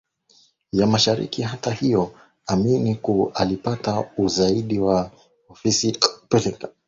ya Mashariki Hata hivyo Amin alipata usaidizi wa ofisi ya upelelezi ya Marekani iliyotuma